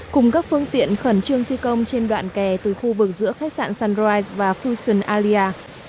cùng các phương tiện khẩn trương thi công trên đoạn kè từ khu vực giữa khách sạn sundroid và fusion allia